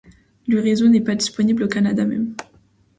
Le réseau n’est pas disponible au Canada même.